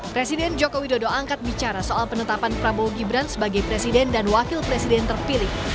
presiden joko widodo angkat bicara soal penetapan prabowo gibran sebagai presiden dan wakil presiden terpilih